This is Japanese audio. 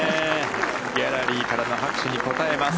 ギャラリーからの拍手に応えます。